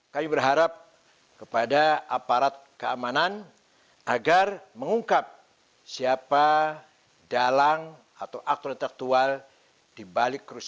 kami berharap kepada aparat keamanan agar mengungkap siapa dalang atau aktor intelektual dibalik kerusuhan